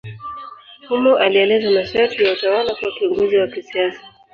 Humo alieleza masharti ya utawala kwa kiongozi wa kisiasa.